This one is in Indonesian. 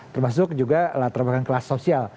termasuk juga latar belakang kelas sosial